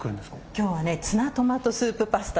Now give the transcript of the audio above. きょうはツナトマトスープパスタ。